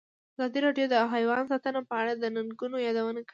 ازادي راډیو د حیوان ساتنه په اړه د ننګونو یادونه کړې.